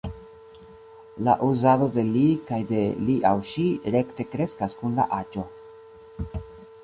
La uzado de ”li” kaj de ”li aŭ ŝi” rekte kreskas kun la aĝo.